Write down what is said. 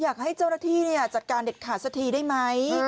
อยากให้เจ้าหน้าที่จัดการเด็ดขาดสักทีได้ไหม